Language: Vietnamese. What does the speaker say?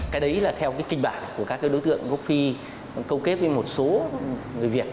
cái đấy là theo cái kinh bản của các đối tượng gốc phi câu kết với một số người việt